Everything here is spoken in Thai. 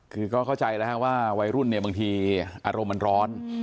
คือก็เข้าใจแล้วว่าวัยรุ่นเนี่ยบางทีอารมณ์มันร้อน